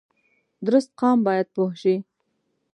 درست قام باید پوه شي